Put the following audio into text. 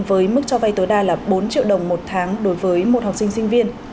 với mức cho vay tối đa là bốn triệu đồng một tháng đối với một học sinh sinh viên